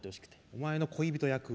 お前の恋人役？